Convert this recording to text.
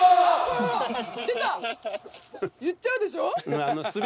言っちゃうでしょ？